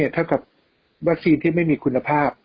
เท่ากับวัคซีนที่ไม่มีคุณภาพ